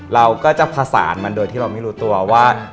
เราก็จะผสานมันโดยที่เราไม่รู้ตัวว่า